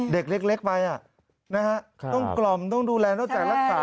เด็กเล็กไปต้องกล่อมต้องดูแลตั้งแต่รักษา